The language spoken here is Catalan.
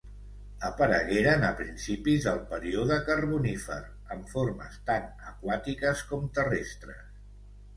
Aparegueren a principis del període Carbonífer, amb formes tant aquàtiques com terrestres.